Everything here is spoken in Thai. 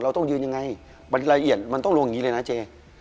เราต้องยืนยังไงรายละเอียดมันต้องลงอย่างนี้เลยนะเจ